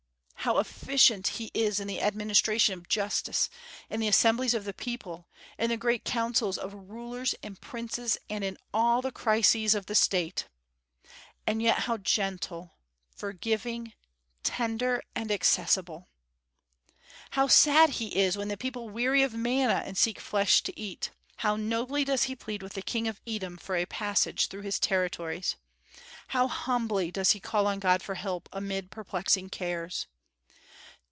How efficient he is in the administration of justice, in the assemblies of the people, in the great councils of rulers and princes, and in all the crises of the State; and yet how gentle, forgiving, tender, and accessible! How sad he is when the people weary of manna and seek flesh to eat! How nobly does he plead with the king of Edom for a passage through his territories! How humbly does he call on God for help amid perplexing cares!